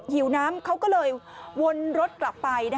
หิวน้ำเขาก็เลยวนรถกลับไป